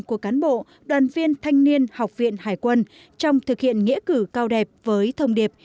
của cán bộ đoàn viên thanh niên học viện hải quân trong thực hiện nghĩa cử cao đẹp với thông điệp